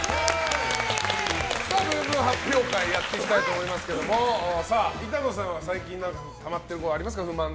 ぶうぶう発表会やっていきたいと思いますが板野さんは最近、不満とかたまってることありますか？